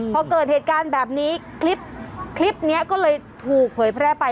พอเกิดเหตุการณ์แบบนี้คลิปนี้ก็เลยถูกเผยแพร่ไป